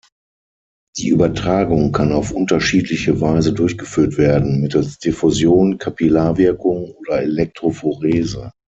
Die Übertragung kann auf unterschiedliche Weise durchgeführt werden: mittels Diffusion, Kapillarwirkung oder Elektrophorese.